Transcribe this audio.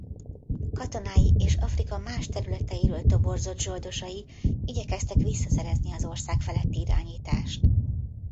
Katonái és Afrika más területeiről toborzott zsoldosai igyekeztek visszaszerezni az ország feletti irányítást.